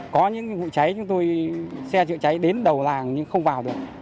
có những vụ cháy chúng tôi xe chữa cháy đến đầu làng nhưng không vào được